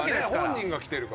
本人が来てるから。